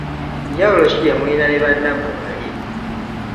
Njawulo ki gye mulina ne bannammwe bali?